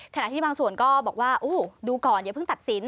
ขณะที่บางส่วนก็บอกว่าดูก่อนอย่าเพิ่งตัดสิน